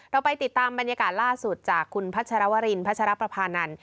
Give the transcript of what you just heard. เราไปติดตามบรรยากาศล่าสุดจากคุณพัชรวรินพัชรประพานันท